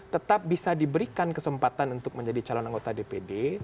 tetap bisa diberikan kesempatan untuk menjadi calon anggota dpd